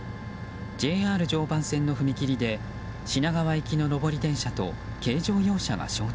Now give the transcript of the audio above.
ＪＲ常磐線の踏切で品川行きの上り電車と軽乗用車が衝突。